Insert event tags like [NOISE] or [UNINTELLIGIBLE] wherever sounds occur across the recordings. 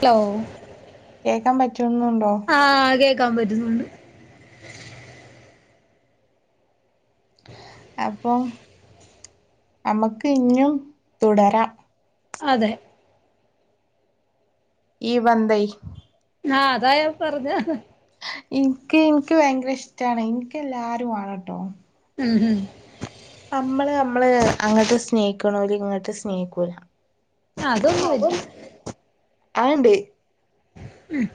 Hello കേക്കാൻ പറ്റുന്നുണ്ടോ ആഹ് കേക്കാൻ പറ്റുന്നുണ്ട് അപ്പൊ നമുക്ക് ഇഞ്ഞും തുടരാം അതെ ഈ ബന്തെ. ആഹ അതായ പറഞ്ഞ ഇനിക്ക് ഇനിക്ക് ഭയങ്കര ഇഷ്ടാണ് ഇനിക്ക് എല്ലാരും വാണട്ടോ ഉം ഉം നമ്മള് നമ്മള് അങ്ങട്ട് സ്നേഹിക്ക്ണോല് ഇങ്ങട്ട് സ്നേഹിക്കൂല. ആഹ അതൊന്നുമില്ല അതന്നെ അങ്ങനെണ്ട്‌ ‌ ഉം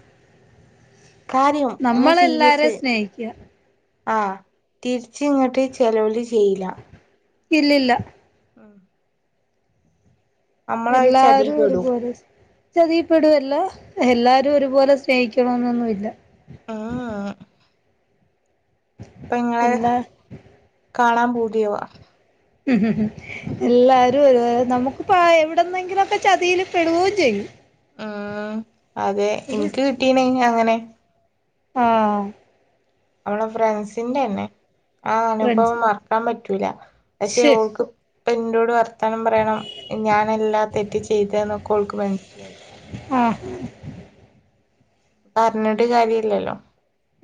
കാര്യം ഞാൻ നമ്മളെല്ലാരേം സീരിയസ്. സ്നേഹിക്കുക ആ തിരിച്ച് ഇങ്ങട്ട് ചെലോല് ചെയ്യില്ല. ഇല്ലില്ല. ആഹ എല്ലാരും ഒരു ചതീപ്പെടും പോലെ സ് ചതിപ്പെടുല്ലേ. എല്ലാരും ഒരുപോലെ സ്നേഹിക്കണ എന്നൊന്നുഇല്ല. ഉം ഇപ്പൊ ഇങ്ങളെ എല്ലാ കാണാൻ പോതിയവാ. ഉ ഉ എല്ലാവരും ഹെ നമുക്ക്പ്പ എവിടെന്നെങ്കിലൊക്കെ ചതിൽ പെടുകയും ചെയ്യും. ആഹാ അതെ ഇനിക്ക് കിട്ടീനആ അയിന് അങ്ങനെ ആഹ അവളെ ഫ്രൻസിന്റെ ന്നെ. ആ ഫ്രണ്ട്സ് അനുഭവം മറക്കാൻ പറ്റൂല പക്ഷെ ശേ ഓക്ക്. ഇപ്പ ഇനോട്. വർത്താനം പറയണം ഞാൻ എല്ലാ തെറ്റ് ചെയ്ത് നൊക്കെ ഓൾക്ക് മനസ്സിലായി. ആഹ് പറഞ്ഞിട്ട് കാര്യല്ലല്ലോ?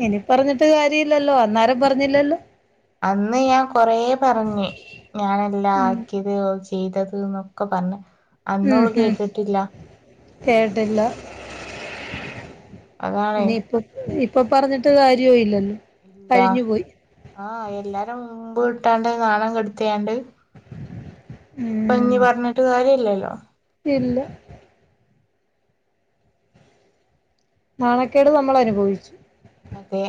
ഇനി പറഞ്ഞിട്ട് കാര്യല്ലല്ലോ അന്നേരം പറഞ്ഞില്ലല്ലോ? അന്ന് ഞാൻ കൊറേ പറഞ്ഞ്. ഞനല്ലാ ആക്കിയത് ചെയ്തത് എന്നൊക്കെ പറഞ്. ഉം ഉം കേട്ടില്ല. അതാണ് ഇനി ഇപ്പൊ ഇപ്പൊ പറഞ്ഞിട്ട് കാര്യോ ഇല്ലല്ലോ? ഇല്ല കഴിഞ്ഞു പോയി ആഹ എല്ലാരും മുമ്പ് വിട്ടാണ്ട് നാണം കെടുത്തിയാണ്ട്. ഇപ്പൊ ഇനി ഉം പറഞ്ഞിട്ട് കാര്യല്ലല്ലോ? ഇല്ല. നാണക്കേട് നമ്മൾ അനുഭവിച്ചു. അതെ.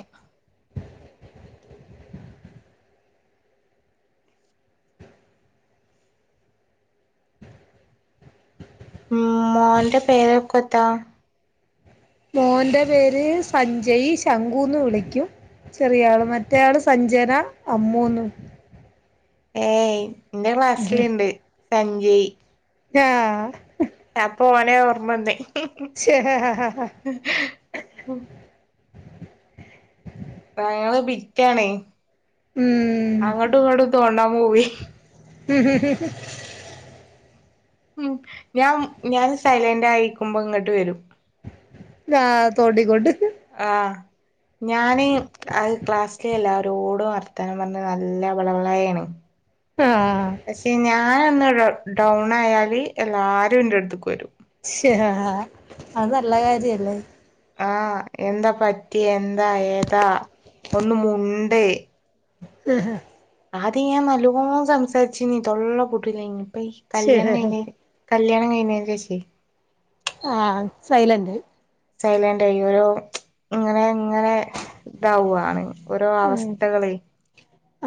ഉ മോന്റെ പേര കൊത്താ? മോന്റെ പേര് സഞ്ജയ് ശംഖൂന്ന് വിളിക്കും. ചെറിയ ആള് മറ്റേയാള് സഞ്ജന അമ്മൂന്നും. ഏയ് ന്റെ ക്ലാസ്സിലുണ്ട് സഞ്ജയ്. ആഹ അപ ഓനെ ഓർമ്മ വന്നെ. ശ ഹാ ഹാ ഹാ ഹി ഹേ ഉം അയാള് ബിറ്റാണെയ് ഉം അങ്ങോട്ടും ഇങ്ങോട്ടും തോണ്ടാൻ പോ വെയ്. ഉം ഹ് ഹ് ഉം ഞാൻ ഞാൻ സൈലന്റ് ആയിരിക്കുമ്പോ ഇങ്ങോട്ട് വരും. ആഹ് തൊണ്ടി കൊണ്ട്. ആഹ ഞാന് അഹ് ക്ലാസ്സിലെ എല്ലാവരോടും വർ ത്താനം പറഞ്ഞ് നല്ല വളവളേയാണ്. ആഹ പക്ഷേ ഞാനൊന്ന് ഡൗൺ ആയാൽ എല്ലാവരും ൻ്റെ അടുത്ത്ക്ക് വരും. ശെ അഹ ഹാ അത് നല്ല കാര്യല്ലേ? ആഹ് എന്താ പറ്റ്യേ എന്താ ഏതാ ഒന്നു മുണ്ടേ. ഉ ഹ ആദ്യ ഞാൻ നലോണം സംസാരിചീനീ തൊള്ള പൂട്ടുലേ നി ഇപ്പ ഈ ശേ കല്യാണം കഴിഞ്ഞെ. കല്യാണം കഴിഞ്ഞേന് ശേ ഷയ്. ആഹ് സൈലന്റ്. സൈലന്റ് ആയി ഓരോ ഇങ്ങനെ ഇങ്ങനെ ഇതാവുവാണ്. ഓരോ ഉം അവസ്ഥകളെയ്...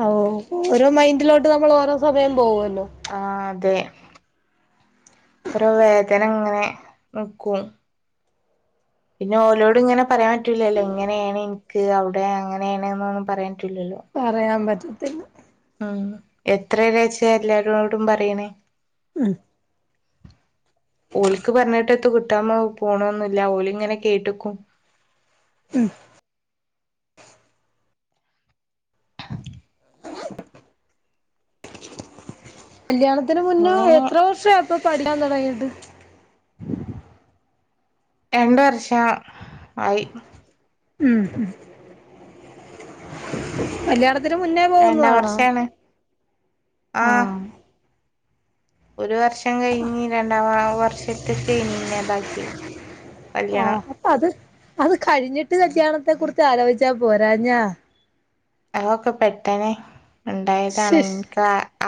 ഓ ഓരോ മൈൻഡിലോട്ട് നമ്മൾ ഓരോ സമയം പോകുവല്ലോ? ആഹ് അതെ ഓരോ വേദന ഇങ്ങനെ നിക്കും. പിന്നെ ഓരോട് ഇങ്ങനെ പറയാൻ പറ്റൂല്ലല്ലോ ഇങ്ങനെയാണ് എനിക്ക് അവിടെ അങ്ങനെയാണ് നൊന്നും പറയാൻ പറ്റുല്ലല്ലോ? പറയാൻ പറ്റത്തില്ല. ഉം എത്രയരാച്ച എല്ലാരോടും പറയ്ണേ? ഉം ഓല്ക്ക് പറഞ്ഞിട്ടൊത്ത് കിട്ടാ പോണൊന്നുല്ല ഓല് ഇങ്ങനെ കേട്ട്ക്കും. ഉം [UNINTELLIGIBLE] കല്യാണത്തിന് മുന്നേ പിന്നെ എത്ര വർഷ ആയപ്പോ പഠിക്കാൻ തൊടങ്ങിയിട്ട്? രണ്ട് വർഷ ആയി. ഉം ഉം കല്യാണത്തിന് മുന്നേ രണ്ടാം പോകുന്നതാണോ വർഷാണ് ആഹ് ഒരു വർഷം കഴിഞ്ഞ് രണ്ടാം വർഷത്തിക്കേ ഇനി ഇന്നതാക്കിയെ. ആഹ് അപ്പ അത് അത് കഴിഞ്ഞിട്ട് കല്യാണത്തെ കുറിച്ച് ആലോചിച്ചാ പോരാഞ്ഞാ അവൊക്കെ പെട്ടേനെ ശ് ഇണ്ടായതാണെ ക്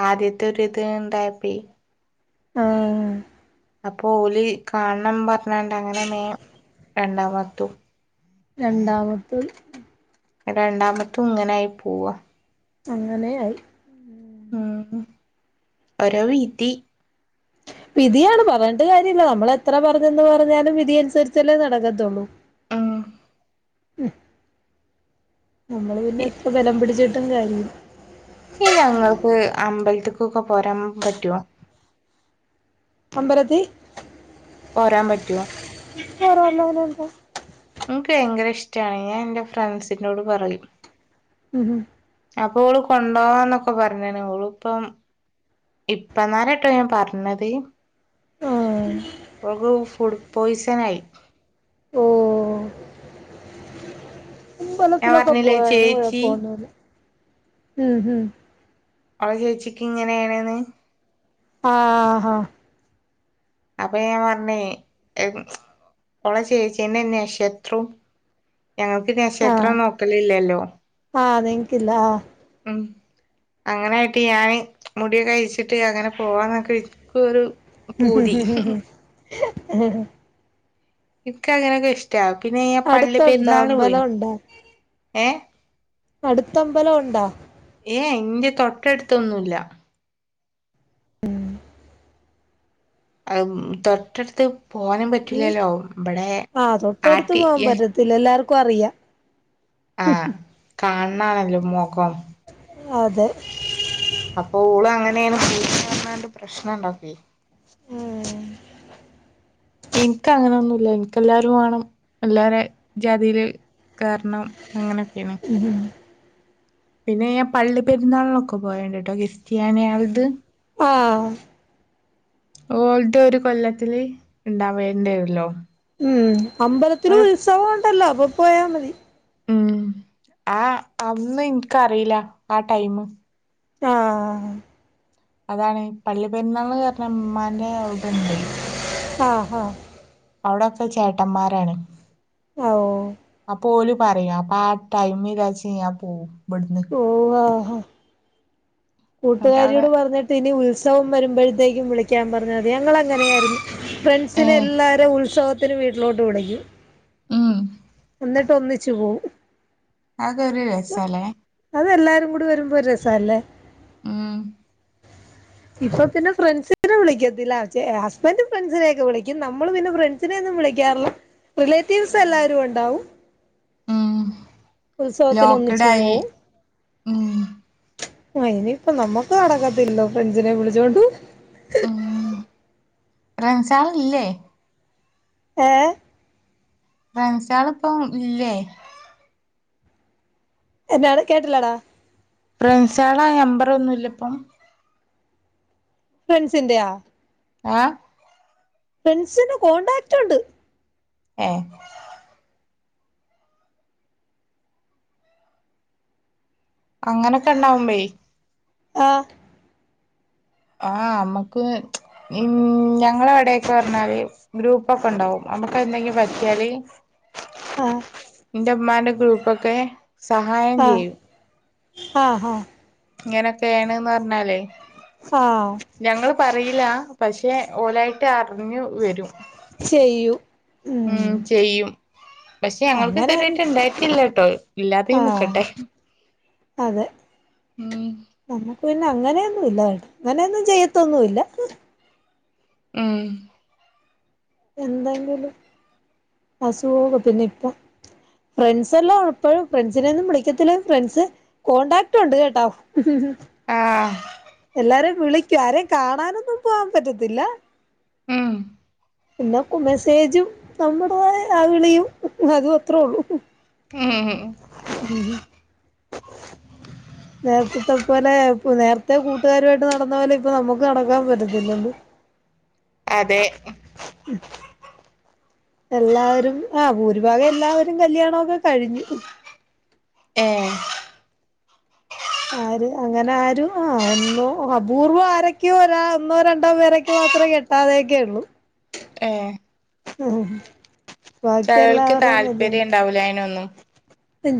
ആദ്യത്തൊരുത് ഇണ്ടായപ്പേ ആഹ്. അപ്പൊ ഓല് കാണണം പറഞ്ഞോണ്ട് അങ്ങനെ മേം രണ്ടാംമാർത്തു- രണ്ടാമത്ത്. രണ്ടാമത്തും ഇങ്ങനെ ആയി പൊവാ അങ്ങനെയായി. ഉം ഓരോവിധി. വിധിയാണ് പറഞ്ഞിട്ട് കാര്യല്ല നമ്മള് എത്ര പറഞ്ഞെന്ന് പറഞ്ഞാലും വിധി അനുസരിച്ചല്ലേ നടക്കത്തുള്ളൂ. ഉം ഉം നമ്മള് പിന്നെ എത്ര ബലം പിടിച്ചിട്ടും കാര്യോല്ല. ഈ ഞങ്ങൾക്ക് അമ്പലത്തേക്കൊക്കെ പോരാൻ പറ്റോ? അമ്പലത്തി പോരാൻ പറ്റൊ? കേറാലോ അയിനെന്താ. ഇൻക്ക് ഭയങ്കര ഇഷ്ടാ ഞാൻ എൻ്റെ ഫ്രണ്ട്സിനോട് പറയും. ഉം ഹും അപ്പൊ ഓള് കൊണ്ടോവാന്നൊക്കെ പറഞ്ഞാണ് ഓള് ഇപ്പം. ഇപ്പന്നാരാട്ടോ ഞാൻ പറഞ്ഞത്. ഉം ഓൾക്ക് ഫുഡ് പോയ്സൺ ആയി. ഓഹ് ഞാൻ അമ്പലത്തിലൊക്കെ പറഞ്ഞില്ലേ പോവാ അയിന് ചേച്ചി കൊഴപ്പൊന്നുല്ല്യ ഉം ഹും. ആ ചേച്ചിക്ക് ഇങ്ങനെണെന്ന്. ആഹ്ഹാ അപ്പൊ ഞാൻ പറഞ്ഞേന് മച് ഓള ചേച്ചിന്നെ നെക്ഷത്രോം ഞങ്ങൾക്ക് ആഹ് നെക്ഷത്രം നോക്കലില്ലല്ലോ. ആഹ് നിങ്ങിക്കില്ല ആഹ്. ഉം അങ്ങനായിട്ട് ഞാന് മുട്യൊക്കെ അഴിച്ചിട്ട് അങ്ങനെ പോവാന്നൊക്കെ വി നിക്കൊരു [INAUDIBLE] ഇക്ക് അങ്ങനൊക്കെ ഇഷ്ടാ പിന്നെ ഞാൻ പള്ളി അടുത്തുണ്ടോ പെരുന്നാളിന് അമ്പലം പോയിനു ഉണ്ടോ ഏഹ് അടുത്തമ്പലം ഉണ്ടാ ഏയ് ഇന്റെ തൊട്ടടുത്തൊന്നുല്ല ഉം അഹ് മ് തൊട്ടടുത്ത് പോവാനും ഈ പറ്റില്ലല്ലോ ബടെ ആട്ടിയെൻ ത്തിലെല്ലാർക്കും അറിയാം കാണണാല്ലോ മൊഖം അതെ അപ്പൊ ഓള് അങ്ങനേണ് പൊയ്ക്ക്ണ്റഞ്ഞ്കാണ്ട് പ്രശ്നം ഇണ്ടാക്കൊയ് ഉം ഇൻക്ക് അങ്ങനൊന്നുല്ല ഇൻക്ക് എല്ലാരും വേണം എല്ലാരേ ജാതീല് കേറണം അങ്ങനൊക്ക്യേണ് ഉംഹും പിന്നെ ഞാൻ പള്ളി പെരുന്നാളിനൊക്കെ പോയണ്ട് ട്ടോ കിസ്ത്യാന്യാളത് ആഹ് ഓൽത് ഒരു കൊല്ലത്തില് ഇണ്ടാവേണ്ടരൊല്ലോ ഉം അമ്പലത്തില് ഉത്സവം ഒണ്ടല്ലോ അപ്പൊ പോയാ മതി ഉം ആഹ് അന്നും ഇൻക്കറീല്ല ആ ടൈമ് ആഹ് ആഹ് ആഹ് ആഹ് അതാണ് പള്ളി പെരുന്നാൾന് റഞ്ഞ മ്മാന്റെ അവ്ടെണ്ടെയ് ആഹ് ആഹ് അവ്ടൊക്കെ ചേട്ടമ്മാരാണ് ഓ അപ്പൊ ഓല് പറയും അപ്പൊ ആ ടൈമിലാച്ച്യ് ഞാപോവും ബട്ന്ന് ഓഹോ എന്നിട്ട് കൂട്ടുകാരിയോട് അവിടെ പറഞ്ഞിട്ട് ഇനി ഉത്സവം വരുമ്പഴത്തേക്കും വിളിക്കാൻ പറഞ്ഞാതി ഞങ്ങളങ്ങനെയായിരുന്നു ഏ ഫ്രണ്ട്സിനെ എല്ലാരേം ഉത്സവത്തിന് വീട്ടിലോട്ട് വിളിക്കും ഉം എന്നിട്ട് ഒന്നിച്ച് പോവും അതൊരു രസാല്ലേ അതെല്ലാരും കൂടി വരുമ്പോ ഒരു രസാല്ലേ ഉം ഇപ്പൊ പിന്നെ ഫ്രണ്ട്സിനെ വിളിക്കത്തില്ല ചെ ഹസ്ബന്റ് ഫ്രണ്ട്സിനെയൊക്കെ വിളിക്കും നമ്മള് പിന്നെ ഫ്രണ്ട് സിനെ ഒന്നും വിളിക്കാറില്ല റിലേറ്റീവ്സ് ഉം എല്ലാവരും ഒണ്ടാവും ഉം ഉത്സവത്തിനൊന്നിച്ചു ലോക്ക്ഡായി പോവും ഉം ആഹ് ഇനിയിപ്പൊ നമ്മക്ക് നടക്കത്തില്ലോ ഫ്രണ്ട്സിനെ വിളിച്ചോണ്ട് പോവാൻ മ്മ്ഹ് ഫ്രണ്ട്സാളില്ലേ ഏഹ് ഫ്രൻസാള് പ്പം ഇല്ലേ എന്നാണ് കേട്ടില്ലാടാ ഫ്രണ്ട്സാളെ നമ്പർ ഒന്നുല്ലപ്പം ഫ്രണ്ട്സിന്റെയാ ആഹ് ഫ്രണ്ട്സിന് കോൺടാക്റ്റുണ്ട് ഏഹ് അങ്ങനൊക്കെണ്ടാവുമ്പയേ ആഹ് ആഹ് അമ്മക്ക് ഇൻ ഞങ്ങളടെക്കെറഞ്ഞാല് ഗ്രൂപ്പൊക്കണ്ടാവും അമ്മക്ക് എന്തെങ്കിലും പറ്റിയാല് ആ ഇന്റെമ്മാന്റെ ഗ്രൂപ്പൊക്കെ സഹായം ആഹ് ചെയ്യും ആഹ് അഹ് ഇങ്ങനൊക്കേണ്ന്ന് പറഞ്ഞാലേ ആഹ് ഞങ്ങള് പറയില്ല പക്ഷെ ഓലായിട്ട് അറിഞ്ഞു വരും ചെയ്യും ഉം പക്ഷെ ഞങ്ങക്ക് അങ്ങനെ ഇതുവരായിട്ട് ഇണ്ടായിട്ടില്ലട്ടോ ഇല്ലാതെ ആഹ് നിക്കട്ടെ അതെ ഉം നമ്മുക്ക് ഇല്ല അങ്ങനെയൊന്നുല്ല അങ്ങനെയൊന്നും ചെയ്യത്തൊന്നുല്ല ഉം എന്തെങ്കിലും അസുഖൊക്കെ പിന്നെ ഇപ്പൊ ഫ്രണ്ട്സെല്ലാം എപ്പോഴും ഫ്രണ്ട്സിനെ ഒന്നും വിളിക്കത്തില്ല ഫ്രണ്ട്സ് കോടാക്ട് ഉണ്ട് കേട്ടോ ആഹ് [UNINTELLIGIBLE] എല്ലാരേം വിളിക്കും ആരേം കാണാനൊന്നും പോവാൻ പറ്റത്തില്ല ഉം പിന്നെ കു മെസ്സേജും നമ്മുടേതായ ആഹ് വിളിയും അതു അത്രേ ഉള്ളൂ ഉംഹ് ഉം ഉം നേരത്തെത്തെ പോലെ ഇപ്പ നേരത്തെ കൂട്ടുകാരുമായിട്ട് നടന്ന പോലെ ഇപ്പൊ നമുക്ക് നടക്കാൻ പറ്റത്തില്ലല്ലൊ അതെ ഉം എല്ലാവരും ആഹ് ഭൂരിഭാഗം എല്ലാവരും കല്യാണൊക്കെ കഴിഞ്ഞു ഏഹ് ആര് അങ്ങനെ ആരും ആഹ് ഒന്നോ അപൂർവം ആരൊക്കെയോ ഒരാ ഒന്നോ രണ്ടോ പേരൊക്കെ മാത്രേ കെ ആലോയിക്കൊള്ളു ഏഹ് ബാക്കി ചേലോൽക്ക് എല്ലാവരുടെയും താല്പര്യം ണ്ടാവൂല അയിനൊന്നും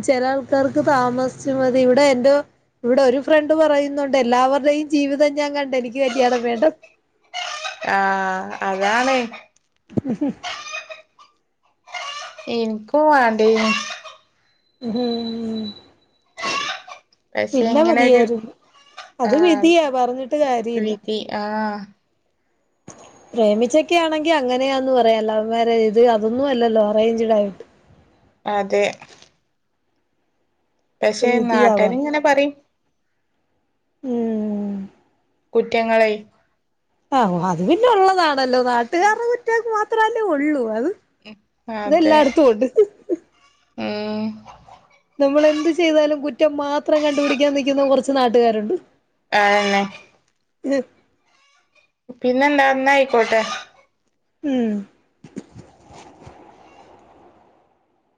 ചെല ആൾക്കാർക്ക് താമസിച്ച് മതി ഇവിടെ എന്റോ ഇവിടൊരു ഫ്രണ്ട് പറയുന്നുണ്ട് എല്ലാവരുടെയും ജീവിതം ഞാൻ കണ്ട എനിക്ക് കല്യാണം വേണ്ടന്ന് ആഹ് അതാണ് ഉം [UNINTELLIGIBLE] ഇന്ക്കു വാണ്ടെനു ഉം [UNINTELLIGIBLE] പക്ഷെ പിന്നെ ഇങ്ങനൊരു മതിയായിരുന്നു അത് വിധിയാ പറഞ്ഞിട്ട് കാര്യല്ല പി ആഹ് പ്രേമിച്ചൊക്കെ ആണെങ്കി അങ്ങനെയാന്ന് പറയാ ലവ് മാര്യേജ് ഇത് അതൊന്നും അല്ലല്ലോ അറേഞ്ചഡ് ആയിട്ട് അതെ പക്ഷെ വിധിയാ പറ നാട്ടാരിങ്ങനെ പറയിം ഉം കുറ്റങ്ങളെയ് ആഹ് അത് പിന്നെ ഒള്ളതാണല്ലോ നാട്ടുകാരുടെ കുറ്റം മാത്രമല്ലേ ഒള്ളൂ അത് തെല്ലായടത്തും ഉണ്ട് ആഹ് നമ്മളെന്ത് ചെയ്താലും കുറ്റം മാത്രം കണ്ടുപിടിക്കാൻ നിക്കുന്ന കുറച്ച് നാട്ടുകാരുണ്ട് അയെന്നെ ഇത് പിന്നെന്താ ന്ന ആയിക്കോട്ടെ ഉം